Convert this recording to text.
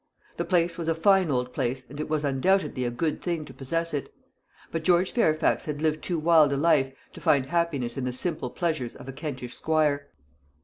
The place was a fine old place and it was undoubtedly a good thing to possess it; but George Fairfax had lived too wild a life to find happiness in the simple pleasures of a Kentish squire.